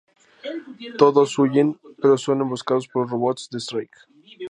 Todos huyen pero son emboscados por los robots de Strike.